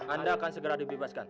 anda akan segera dibebaskan